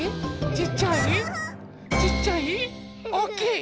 ちっちゃい？ちっちゃい？おおきい？